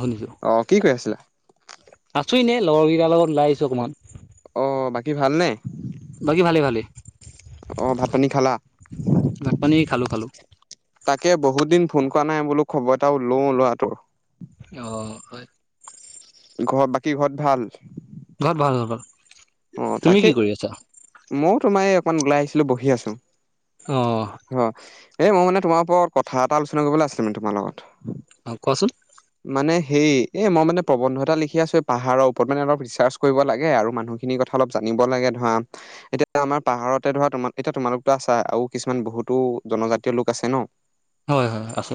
শুনিছো। অ কি কৰি আছিলা আছো এনে লগৰ কেইটাৰ লগত ওলাই আহিছো অকমান। কি ভালনে? বাকী ভালে ভালে অঁ, ভাত পানী খালা? ভাত পানী খালো খালো তাকে বহুত দিন ফোন কৰা নাই বোলো খবৰ এটা লওঁ লোৱাটোৰ। অ', হয়। ঘ বাকী ঘৰত ভাল? ঘৰত ভাল ঘৰত ভাল, তুমি কি কৰি আছা? মইও তোমাৰ এই অকমান ওলাই আহিছিলো বহি আছো, অ অ' এই মই মানে তোমাৰ ওপৰত কথা এটা আলোচনা কৰিবলৈ আছিলে মানে তোমাৰ লগত। অ' কোৱাচোন। মানে সেই এই মই মানে প্ৰবন্ধ এটা লিখি আছোঁ এ পাহাৰৰ ওপৰত। মানে অলপ ৰিচাৰ্চ কৰিব লাগে আৰু মানুহখিনিৰ কথা অলপ জানি নিব লাগে ধৰা। এতিয়া আমাৰ পাহাৰতে ধৰা তোমাৰ এতিয়া তোমালোকতো আছা, আৰু কিছুমান বহুতো জনজাতীয় লোক আছে ন। হয়, হয়, আছে।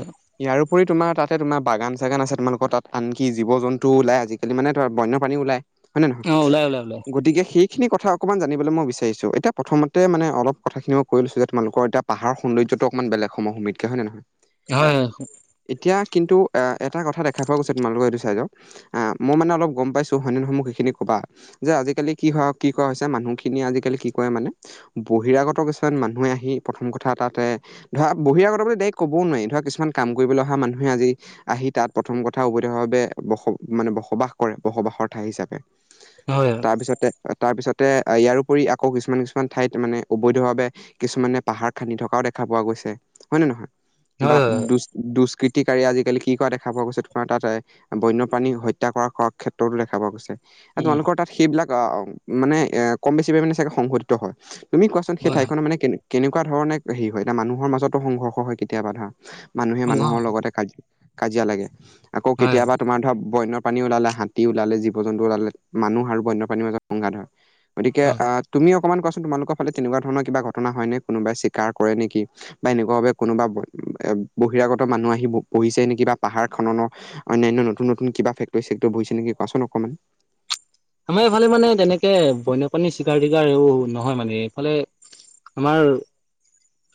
উপৰি তোমাৰ তাতে তোমাৰ বাগান চাগান আছে তোমালোকৰ তাত, আনকি জীৱ জন্তু ওলাই আজিকালি মানে বন্য পানী ওলায়। হয় নে নহয়? অ ওলাই ওলাই ওলাই গতিকে সেইখিনি কথা অকমান জানিব লে মই বিাৰিছো। এতিয়া প্ৰথমতে মানে অলপ কথাখিনি মই কৈ লৈছো যে তোলোকৰ এতিয়া পাহাৰৰ সৌন্দৰ্যটো অকমান বেলেগ সমূ [unintelligible] হয় নে নহয়? হয় হয় এতিয়া কিন্তু এটা কথা দেখা পোৱা গৈছে তোমালোকৰ এইটো চাইডৰ, মই মানে অলপ গম পাইছোঁ, হয় নে নহয় মোক সেইখিনি ক'বা। যে আজিকালি কি হয়, কি কৰা হৈছে মানুহ খিনি আজিকালি কি কৰে মানে, বহিৰাগত কিছুমান মানুহে আহি প্ৰথম কথা তাতে ধৰা বহিৰাগ কথা ডাইৰেক্ট ক'বও নোৱাৰি ধৰা কিছুমান কাম কৰিব অহা মানুহে আজি আহি তাত প্ৰথম কথা অবৈধভাৱে ব মানে বসবাস কৰে বসবাসৰ ঠাই হিচাপে। হয় তাৰপিছতে, তাৰপিছতে ইয়াৰ ওপৰি আকৌ কিছুমান কিছুমান ঠাইত মানে অবৈধভাৱে কিছুমানে পাহাৰ খান্দি থকাও দেখা পোৱা গৈছে। হয় নে নহয়? বা হয় হয় হয়। দু দুচ কৃতিকাৰী আজিকালি কি কৰা দেখা পোৱা গৈছে, তোমাৰ তাত বন্যপ্ৰাণী হত্যা কৰা ক্ষেত্ৰতো দেখা পোৱা গৈছে। উম তোমালোকৰ তাত সেইবিলাক আহ মানে এ কম বেছি পৰিানে চাগে সংঘটিত হয়। তুমি কোৱাচোন সেই হয় ঠাইখনৰ মানে কে কেনেকুৱা ধৰণে হেৰি হয়, এতিয়া মানুহৰ মাজতো সংঘৰ্ষ হয় কেতিয়াবা ধৰা। মানুহে মানুহৰ লগতে কাজ কাজিয়া লাগে। আকৌ হয় হয় কেতিয়াবা তোমাৰ ধৰা বন্য পানী ওলালে, হাতী ওলালে, জীৱ জন্তু ওলালে, মানুহ আৰু বন্যপাণীৰ মাজত সংঘাত হয়। গতিকে আহ তুমি অকমান কোৱাচোন তোমালোকৰ ফালে তেনেকুৱা ধৰণৰ কিবা ঘটনা হয় নে? কোনোবাই চিকাৰ কৰে নেকি বা এনেকুৱা ভাবে কোনোবা বহিৰাগত মানুহ আহি বহিছে নেকি বা পাহাৰ খননৰ অ অন্যান্য নতুন নতুন কিবা ফেক্টৰী সেক্টোৰী বহিছে নেকি কোৱাচোন অকমান। [inaudible] আমাৰ এইফালে মানে তেনেকে বন্যপ্ৰাণী চিকাৰ-দিগাৰ নহয় মানে এইফালে আমাৰ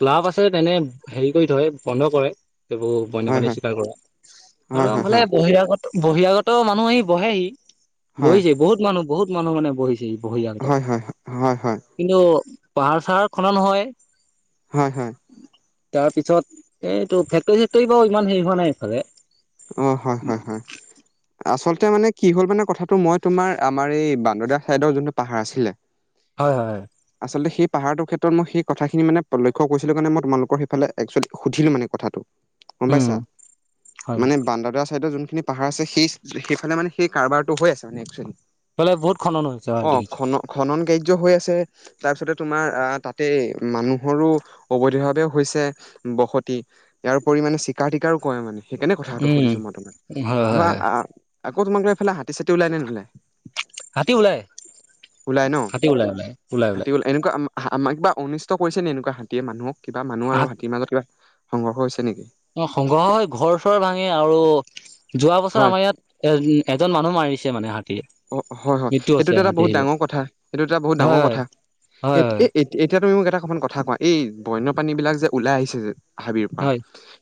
ক্লাব আছে তেনে, হেৰি কৰি থয়, বন্ধ কৰে। সেইবোৰ হয় বন্যপাণী হয় স্বীকাৰ কৰা। হয় আৰু হয় আনফালে বহিৰাগত বহিৰাগত মানুহ আহি বহেহি। হয়। বহিছে বহুত মানুহ বহুত মানুহ মানে বহিছে বহিৰাগত। হয় হয় হয় হয় হয় কিন্তু পাহাৰ চাহাৰ খনন হয়। হয়, হয়। তাৰ পিছত এইটো ফেক্টৰী-চেক্টৰী বাৰু ইমান হেৰি হোৱা নাই এইফালে। অ', হয়, হয়, হয়। আচলতে মানে কি হ'ল মানে কথাটো মই তোমাৰ আমাৰ এই বান্দদেৱা চাইডৰ যোনটো পাহাৰ আছিলে হয়, হয়, হয়। আচলতে সেই পাহাৰটোৰ ক্ষেত্ৰত মই কথাখিনি মানে প্ৰলক্ষ কৰিছিলো কাৰণে মই তোমালোকৰ সেইফালে একচুৱেলি সুধিলো মানে কথাটো। গম উম পাইছা? হয় মানে বান্দদুৱা চাইডৰ যোন খিনি পাহাৰ আছে, সেই-সেইফালে মানে সেই কাৰবাৰটো হৈ আছে মানে একচুৱেলি। এইফালে বহুত খনন হৈছে হয় অ' দেখিছো খন-খনন কা ৰ্য্য হৈ আছে। তাৰপিছতে তোমাৰ আ- তাতে মানুহৰো অবৈধভাৱেও হৈছে বসতি। ইয়াৰ উপৰি মানে চিকাৰ-টিকাৰো কৰে মানে। সেইকাৰণে কথাটো উম সুধিছোঁ মই তোমাক। হয় হয় ধৰা হয় আ-আ-আকৌ তোমাক লৈ এইফালে হাতী-চাতি ওলায় নে নোলায়? হাতী ওলাই ওলায় ন'? হাতী ওলাই ওলাই ওলাই হাতী ওলাই ওলায়- এনেকুৱা আম- হা আমাক কিবা অনিষ্ট কৰিছে নে এনেকুৱা হাতীয়ে মানুহক, কিবা মানুহ আৰু হাত হাতীৰ মাজত কিবা সংঘৰ্ষ হৈছে নেকি অ', [unintelligible] হয় ঘৰ চৰ ভাঙে আৰু। যোৱা বছৰ হয় আমাৰ ইয়াত এ-এজন মানুহ মাৰিছে মানে হাত অ', হয়, হয়। এইটোতো এটা বহুত ডাঙৰ কথা, এইটো এটা বহুত হয় ডাঙৰ হয় কথা। হয় হয় এ-এ-এতিয়া তুমি মোক এটা অকমান কথা কোৱা, এই বন্য পানী বিলাক যে ওলাই আহিছে যে হাবিৰ হয় পৰা, হয়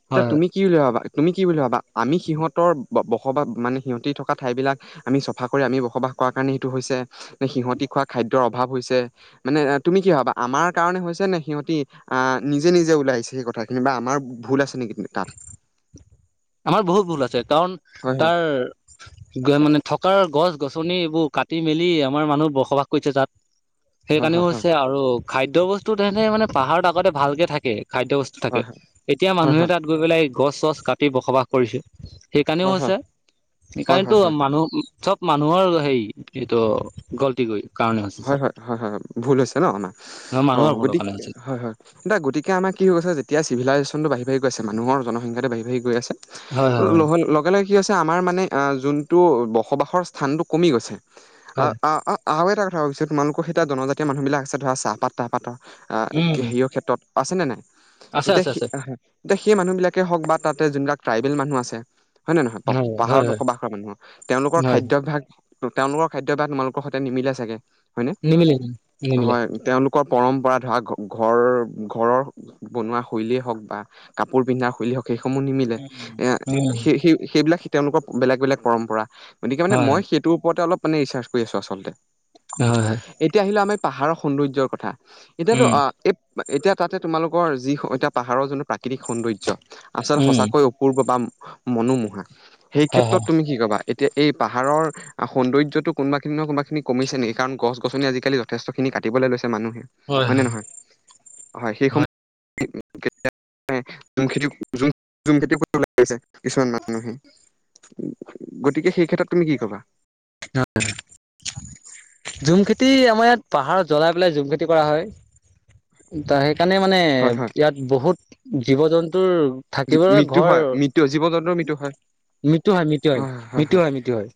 এতিয়া হয় তুমি কি বুলি ভাবা? তুমি কি বুলি ভাবা? আমি সিহঁতৰ বসবাস মানে সিহঁতে থকা ঠাইবিলাক আমি চফা কৰি আমি বসবাস কৰাৰ কাৰণে সেইটো হৈছে নে সিহতি খোৱা খাদ্যৰ অভাৱ হৈছে, মানে তুমি কি ভাবা? আমাৰ কাৰণে হৈছে নে সিহঁতি আ- নিজে - নিজে ওলাই আহিছে সেই ক থাখিনি বা আমাৰ ভুল আছে নেকি তাত? আমাৰ বহুত ভুল আছে, কাৰণ হয় হয় তাৰ গ- মানে থকাৰ গছ-গছনি এইবোৰ কাটি মেলি আমাৰ মানুহ বসবাস কৰিছে তাত। সেই কাৰণেও হয় হয় হৈছে আৰু খাদ্য-বস্তু তেনেকে মানে পাহাৰত আগতে ভালকে থাকে। খাদ্যবস্তু থাকে। হয় হয় এতিয়া হয় মানুহে হয় তাত গৈ পেলাই গছ-চছ কাটি বসবাস কৰিছে। সেইকাৰণেও হয় হয় হয় হৈছে। হয় হয় সেইকাৰণেতো মানুহ চব মানুহৰ হেই এইটো গলটি। [unintelligible] হয় - হয়, হয় - হয়, ভুল হৈছে ন' আমাৰ। অ' মানুহৰ ভুলৰ কাৰণে গতিকে- হৈছে হয় - হয়, দা গতিকে আমাৰ কি ছে যেতিয়া চিভিলাইজেশ্যনটো বাহি মানুহৰ জনসংখ্যাটো বাঢ়ি, বাঢ়ি গৈ আছে। হয় হয় হয় ল- লগে-লগে কি হৈছে। নাই মানে যোনটো বসবাসৰ স্থানটো কমি গৈছে হয় আ-আ অ' এটা কথা কৈছে। পিছত তোমালোকৰ সেইয়া জনজাতীয় মানুহবিলাক আছে ধৰা চাহপাত-তাহপাতৰ আ উম হেৰিয়ও ক্ষেত্ৰত। আছেনে নাই আছে এতিয়া আছে সে আছে এতিয়া সেই মানুহবিলাকেই হওঁক বা তাতে যোনবিলাক ট্ৰাইবেল মানুহ আছে। হয়ে নে নহয় কওক, হয় পাহাৰত হয় হয় বসবাস কৰা মানুহৰ তেওঁলোকৰ হয় খাদ্যাভ্যাস তেওঁলোকৰ খাদ্যাভ্যাস বা তোমালোকৰ সতে নিমিলে চাগে হয় নে নিমিলে নিমিলে হয় তেওঁলোক। ক পৰম্পৰা ধৰা ঘ-ঘৰ-ঘৰৰ বনোৱা শৈলীয়ে হওঁক বা কাপোৰ পিন্ধা শৈলী হওঁক। সেইসমূহ নিমিলে উম এ হয় সেই-সেই-সেইবিলাক তেওঁলোকৰ বেলেগ বেলেগ পৰম্পৰা। গতিকে মানে মই সেইটোৰ ওপৰতে অলপ মানে ৰিচাৰ্চ কৰি আছো আচলতে। হয় হয় হয় এতিয়া আহিলে আমাৰ পাহাৰৰ সৌন্দৰ্যৰ কথা এতিয়াতো উম অ' এ এতিয়া তাতে তোমালোকৰ যি এতিয়া পাহাৰৰ যোনটো। প্ৰাকৃতিক সৌন্দৰ্য আচল উম সঁচাকৈ অপূৰ্ব বা মনোমোহা সেই হয় হয় ক্ষেত্ৰত তুমি কি কবা? এতিয়া এই পাহাৰৰ সৌন্দৰ্যটো কোনবাখিনি নহয় কোনোবা খিনি কমিছে নেকি কাৰণ গছ-গছনি আজিকালি যথেষ্ট খিনি কাটিবলৈ লৈছে মানুহে হয় নে নহয়। হয় সেই সময়ত। [unintelligible] জুম খেতি কৰিবছে কিছুমান মানুহে। গতিকে সেই ক্ষেত্ৰত তুমি কি কবা। হয় [unintelligible] জুম খেতি আমাৰ ইয়াত পাহাৰত জ্বলাই পেলাই জুম খেতি কৰা হয় ত সেই সেইকাৰণে মানে হয় হয় ইয়াত বহুত জীৱ-জন্তু। তোৰ থাকিবলৈ মৃত্যু ঘৰ হয় মৃত্যু জীৱ জন্তুৰ মৃত্যু হয় মৃতু হয়, মৃত্যু হয়, মৃত্যু হয়, মৃত্যু হয়।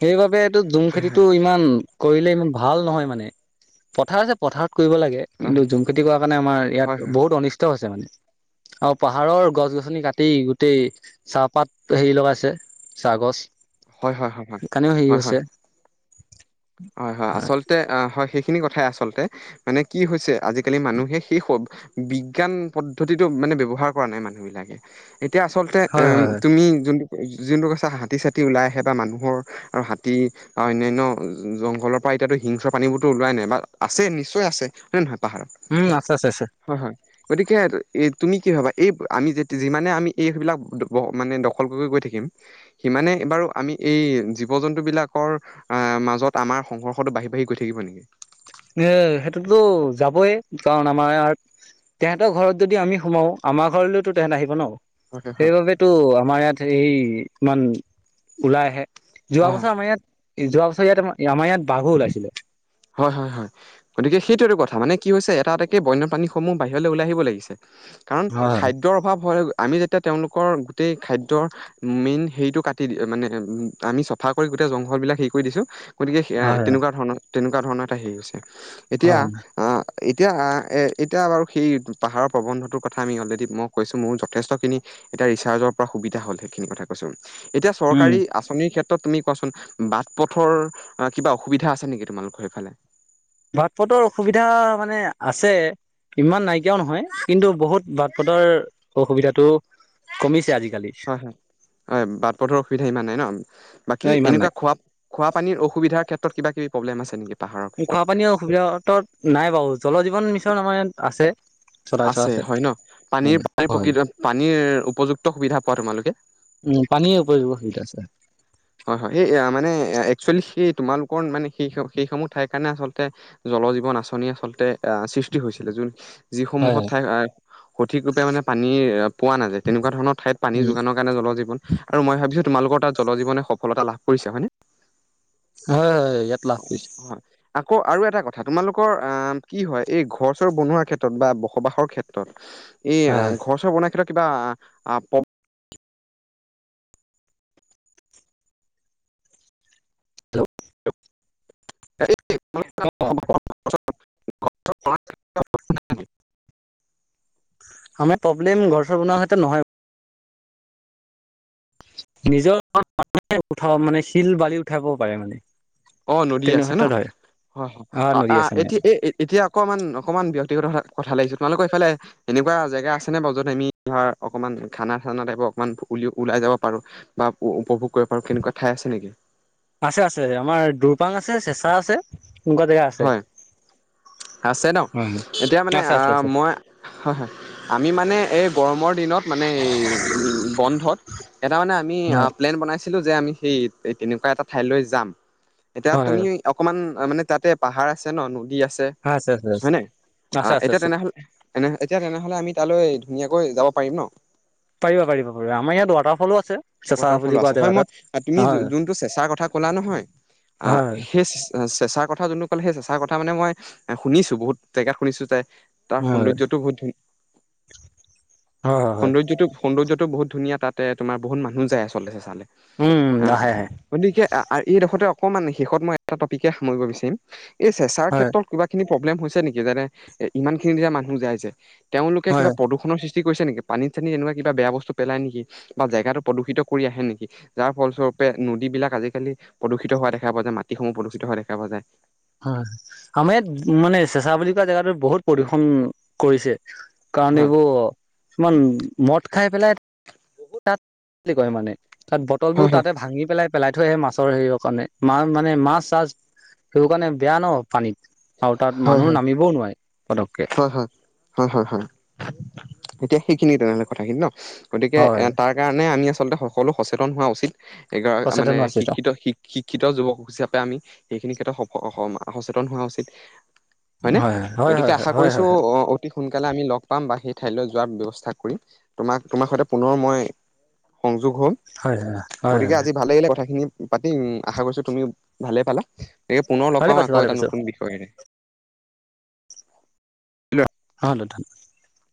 সেইবাবে এইটো জুম হয় হয় খেতিটো ইমান কৰিলে ইমান ভাল নহয় মানে পথাৰ আছে পথাৰ। কৰিব লাগে হয় কিন্তু জুম খেতি কৰাৰ কাৰণে আমাৰ হয় ইয়াত হয় বহুত অনিষ্ট আছে মানে। আৰু পাহাৰৰ গছ গছনি কাটি গোটেই চাহপাত হেৰি লগাইছে ছাগচ হয়, হয়, হয়। হয় সেইকাৰণেও হেৰি হয় হয় হৈছে হয়, হয় আচলতে অ, সেই সেইখিনি কথা আচলতে, মানে কি হৈছে আজিকালি মানুহে সেই বিজ্ঞান পদ্ধতিটো মানে ব্যৱহাৰ কৰা নাই মানুহ বিলাকে, এতিয়া আচলতে আ, হয় হয় তুমি যোন যোনটো কৈছা হাতী চাতী ওলাই আহে বা মানুহৰ, আৰু হাতী, আউ অন্যান্য জংঘলৰ পৰা এতিয়াতো হিংস্ৰ প্ৰাণীবোৰতো ওলোৱাই নাই বা আছে নিশ্চয় আছে, নে নহয়? পাহাৰত উম, আছে, আছে, আছে। হয় হয় গতিকে, এই, তুমি কি ভাবা এই আমি যে যিমানে আমি এইবিলাক [unintelligible] মানে দখল কৰি কৰি গৈ থাকিম সিমানে বাৰু আমি এই জীৱ জন্তু বিলাকৰ, আহ, মাজত আমাৰ সংঘৰ্ষটো বাঢ়ি বাঢ়ি গৈ থাকিব নেকি? এ, সেইটোতো যাবই, কাৰণ আমাৰ ইয়াত তেহেঁতৰ ঘৰত যদি আমি সোমাও, আমাৰ ঘৰলৈতো তেহঁত আহিব ন? হয় হয় হয় সেইবাবেতো আমাৰ ইয়াত এই ইমান ওলাই আহে অ যোৱা বছৰ আমাৰ ইয়াত, যোৱা বছৰ ইয়াত আমাৰ ইয়াত বাঘু উলাইছিলে। হয় হয় হয় গতিকে সেইটোৱেটো কথা মানে কি হৈছে এটা এটাকে বন্যপ্ৰাণীসমূহ বাহিৰলৈ ওলাই আহিব লাগিছে। কাৰণ হয় খাদ্যৰ অভাৱ হয় আমি যেতিয়া তেওঁলোকৰ গোটেই খাদ্যৰ মেইন হেৰিটো কাটি মানে আমি চফা কৰি গোটেই জংঘলবিলাক হেৰি কৰি দিছোঁ, গতিকে স হয় তেনেকুৱা ধৰণৰ তেনেকুৱা ধৰণৰ এটা হেৰি হৈছে এতিয়া হয় আ, এতিয়া এতিয়া বাৰু সেই পাহাৰৰ প্ৰবন্ধটোৰ কথা আমি অলৰেডি মই কৈছোঁ ময়ো যথেষ্টখিনি এতিয়া ৰিচাৰ্জৰ পৰা সুবিধা হল সেইখিনি কথা কৈছো এতিয়া উম। চৰকাৰী আচ ক্ষেত্ৰত তুমি কোৱাচোন বাট পথৰ কিবা অসুবিধা আছে নেকি তোমালোকৰ সেইফালে? বাট পতৰ অসুবিধা মানে আছে ইমান নাইকিয়াও নহয় কিন্তু বহুত বাট পথৰ অসুবিধাটো কমিছে আজি কালি হয় হয় হয়, বাট পথৰ অসুবিধা ইমান নাই ন' বাকী ইমান এনেকুৱা নাই খোৱা খোৱা পানীৰ অসুবিধাৰ ক্ষেত্ৰত কিবা কিবি প্ৰব্লেম আছে? নেকি পাহাৰৰ ক্ষেত্ৰত খোৱাপানীৰ অসুবিধা ত' নাই বাৰু জল জীৱন মিছন আমাৰ ইয়াত আছে। চলাই থোৱা আছে হয় ন' পানীৰ হয় পানীৰ হয়। প্ৰকৃত পানীৰ উপযুক্ত সুবিধা পোৱা তোমালোকে? উম, পানী উপ হয়, হয়, সে মানে একচুৱেলি সেই তোমালোকৰ মানে সেই সেই সমূহ ঠাইৰ কাৰণে আচলতে জল জীৱন আঁচনি আচলতে আ, সৃষ্টি হৈছিলে যোন হয় যিসমূহত হয় ঠাই আ সঠিক ৰূপে মানে পানী পোৱা নাযায় তেনেকুৱা ধৰণৰ ঠাইত পানী উম যোগানৰ কাৰণে জল জীৱন আৰু মই ভাবিছো তোমাৰ লোকৰ তাত জল জীৱনে সফলতা লাভ কৰিছে হয় নে? হয়, হয় ইয়াত লাভ দিছে আকৌ আৰু এটা কথা তোমালোকৰ আ, কি হয় এই ঘৰ চৰ বনোৱা ক্ষেত্ৰত বা বসবাসৰ ক্ষেত্ৰত হয় হয় এই ঘৰ চৰ বনাই থলে কিবা আ হেল্ল' [unintelligible] [inaudible] আমাৰ প্ৰব্লেম ঘৰ চৰ বনোৱা হৈতে নহয় নিজৰ উঠা মানে শিল বালি উঠাব পাৰে মানে। অ', নদী তেনে আছে ক্ষেত্ৰত ন' হয় অ নদী আছে মানে এতিয়া এ এতিয়া অকমান অকমান ব্য কথা লাগিছো তোমালোকৰ এইফালে এনেকুৱা জেগা আছেনে বাৰু য'ত আমি ধৰা অকণমান খানা চানা টাইপ অকণমান উ, ওলাই যাব পাৰো বা উপভোগ কৰিব পাৰো কেনেকুৱা ঠাই আছে নেকি আছে আছে আমাৰ দুৰপাং আছে চেঁচা আছে। [unintelligible] জেগা আছে। হয় আছে ন, হয় এতিয়া হয় মানে, আছে আছে আহ, আছে মই হয়, হয়, আমি মানে এই গৰমৰ দিনত, মানে এই জু বন্ধত এটা মানে আমি হয় প্লেন বনাইছিলো যে আমি সেই তেনেকুৱা এটা ঠাইলৈ যাম, এতিয়া হয় তুমি অকণমান মানে তাত তে পাহাৰ আছে নদী আছ ছে, হয় আছে আছে আছে হয়নে? আছে আহ, আছে এতিয়া আছে তেনেহলে তেনেহ এতিয়া তেনেহলে আমি তালৈ ধুনীয়াকৈ যাব পাৰিম ন? পাৰিবা, পাৰিবা, পাৰিবা, আমাৰ ইয়াত ৱাটাৰফলো আছে। চেঁচা ৱাটাৰফল বুলি কোৱা আছে জেগা হয়, মই এটাত তুমি হয় যোনটো চেঁচাৰ কথা ক'লা নহয় আ, হয় সেই চেঁচাৰ কথা যোনটো ক'লে সেই চেঁচাৰ কথা মানে মই শুনিছো বহুত জেগাত শুনিছো তাই তাৰ হয় সৌন্দৰ্যটো বহুত ধুনীয়া হয় হয় হয় সৌন্দৰ্যটো সৌন্দৰ্য ত' বহুত ধুনীয়া তাতে তোমাৰ বহুত মানুহ যায় আচলতে চেঁচালে। উম অ', আহে আহে গতিকে এইডখতক অকণমান শেষত মই এটা টপিকে সামৰিব বিচিম এই চেঁচাৰ হয় ক্ষেত্ৰত কিবাখিনি প্ৰব্লেম হৈছে নেকি, যেনে ইমান খিনি দিনা মানুহ যাই যে তেওঁলোকে হয় কিবা প্ৰদূষণৰ সৃষ্টি কৰিছে নেকি? পানীত চানীত তেনেকুৱা কিবা বেয়া বস্তু পেলাই নেকি, বা জেগাটো প্ৰদূষিত কৰি আহে নেকি, যাৰ ফলস্বৰূপে নদী বিলাক আজিকালি প্ৰদূষিত হোৱা দেখা পোৱা যায়, মাটিসমূহ প্ৰদূষিত হোৱা দেখা পোৱা যায়। হয়, আমাৰ ইয়াত মানে চেঁচা বুলি কোৱা জেগাতো বহুত প্ৰদূষণ কৰিছে। কাৰণ হয় এইবোৰ, অকমান মদ খাই পেলাই তাত [unintelligible] কৰে মানে, তাত বটলবোৰ হয় তাতে ভাঙি পেলাই থৈ আহে মাছৰ হেৰিয়ৰ কাৰণে, মা মানে মাছ চাছ সেইবোৰ কাৰণে বেয়া ন পানীত, আৰু তাত হয় মানুহ হয় নামিবও নোৱাৰে। পতককে হয়, হয়, হয়, হয়, হয়, এতিয়া সেইখিনিয়ে তেনেহলে কথাখিনি ন? গতিকে, হয় তাৰ কাৰণে আমি আচলতে সকলো সচেতন হোৱা উচিত। এইকা মানে, সচেতন আছিলো শিক্ষিত, শ শিক্ষিত যুৱক হিচাপে আমি সেইখিনি ক্ষেত্ৰত সচেতন হোৱা উচিত। হয়নে? হয়, হয়, গতিকে হয়, হয়, আশা হয়। কৰিছো, অ, অতি সোনকালে আমি লগ পাম। বাঁহী ঠাইলৈ যোৱাৰ ব্যৱস্থা কৰি, তোমাক, তোমাৰ সৈতে পুনৰ মই সং যোগ হ'ম, হয় হয় হয় হয় হয় গতিকে হয় আজি ভালেই লাগিলে কথাখিনি পাতিম, আশা কৰিছো তুমিও ভালেই পালা, গতিকে পুনৰ লগ ভালে পাম পাইছো আকৌ ভালে এটা পাইছো নতুন বিষয়েৰে। [unintelligible] [unintelligible]